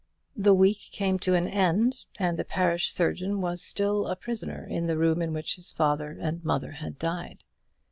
The week came to an end, and the parish surgeon was still a prisoner in the room in which his father and mother had died.